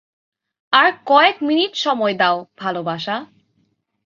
আর কয়েক মিনিট সময় দাও, ভালোবাসা।